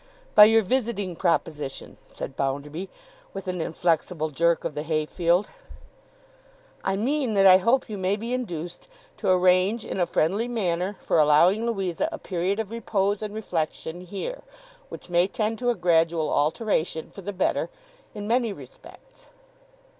'By your visiting proposition,' said Bounderby, with an inflexible jerk of the hayfield. 'I mean that I hope you may be induced to arrange in a friendly manner, for allowing Louisa a period of repose and reflection here, which may tend to a gradual alteration for the better in many respects.